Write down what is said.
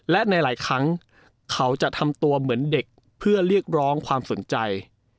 และในหลายครั้งเขาจะทำตัวเหมือนเด็กเพื่อเรียกร้องความสนใจ